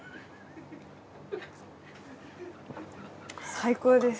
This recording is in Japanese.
最高です。